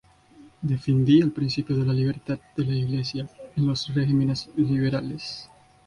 Defendía el principio de la libertad de la Iglesia en los regímenes liberales.